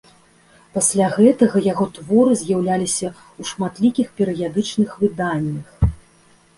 Пасля гэтага яго творы з'яўляліся ў шматлікіх перыядычных выданнях.